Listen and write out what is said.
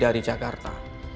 dari pak surya